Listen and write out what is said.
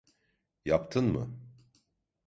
Yaptın mı?